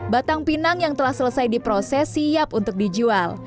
batang pinang yang telah selesai diproses siap untuk dijual